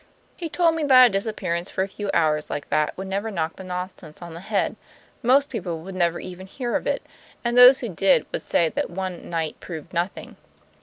He told me that a disappearance for a few hours like that would never knock the nonsense on the head; most people would never even hear of it, and those who did would say that one night proved nothing.